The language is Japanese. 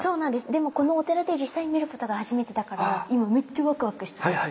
でもこのお寺で実際に見ることが初めてだから今めっちゃワクワクしてます！